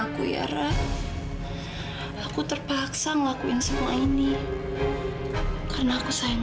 so kita aku sekali sampai the wedding